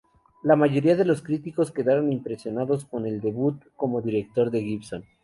La mayoría de los críticos quedaron impresionados con el debut como director de Gibson.